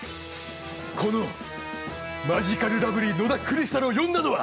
このマヂカルラブリー野田クリスタルを呼んだのは。